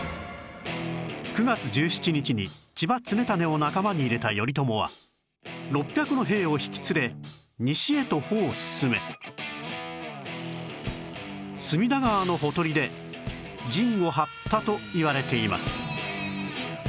９月１７日に千葉常胤を仲間に入れた頼朝は６００の兵を引き連れ西へと歩を進め隅田川のほとりで陣を張ったといわれています